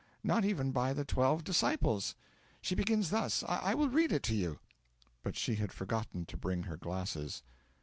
Not even by the twelve Disciples. She begins thus I will read it to you.' But she had forgotten to bring her glasses.